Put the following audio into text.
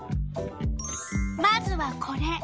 まずはこれ。